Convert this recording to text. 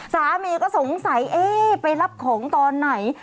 สามีก็สงสัยเอ๊ะไปรับของตอนไหน